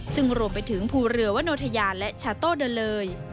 ซึ่งรวมไปถึงภูเรือวโนธยาและชาโต้เดินเลย